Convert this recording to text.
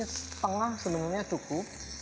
piring setengah sebenarnya cukup